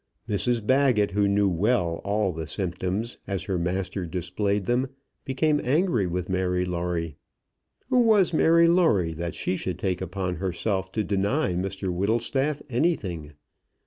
Mrs Baggett, who knew well all the symptoms as her master displayed them, became angry with Mary Lawrie. Who was Mary Lawrie, that she should take upon herself to deny Mr Whittlestaff anything?